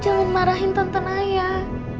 jangan marahin tonton ayah